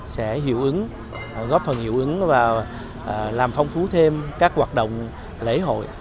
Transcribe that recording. sẽ hiệu ứng góp phần hiệu ứng và làm phong phú thêm các hoạt động lễ hội